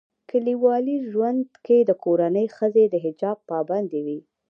کلیوالي ژوندکي دکورنۍښځي دحجاب پابند وي